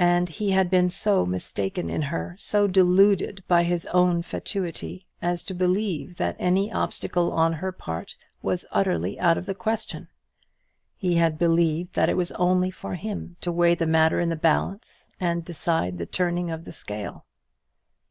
And he had been so mistaken in her, so deluded by his own fatuity, as to believe that any obstacle on her part was utterly out of the question. He had believed that it was only for him to weigh the matter in the balance and decide the turning of the scale.